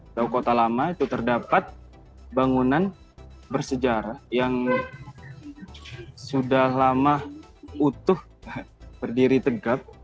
tahu kota lama itu terdapat bangunan bersejarah yang sudah lama utuh berdiri tegap